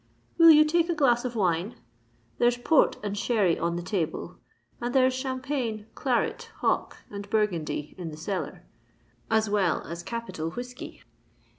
"Will you take a glass of wine? There's Port and Sherry on the table; and there's Champagne, Claret, Hock, and Burgundy in the cellar—as well as capital whiskey."